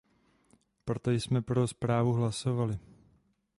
Proto jsme pro zprávu hlasovali.